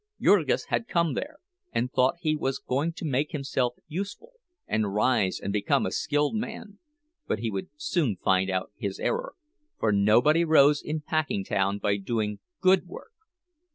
Jurgis had come there, and thought he was going to make himself useful, and rise and become a skilled man; but he would soon find out his error—for nobody rose in Packingtown by doing good work.